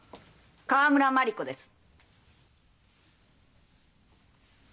河村真理子です。